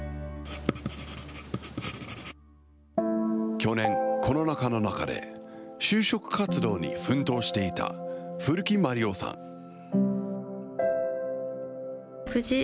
去年、コロナ禍の中で就職活動に奮闘していた古木毬央さん。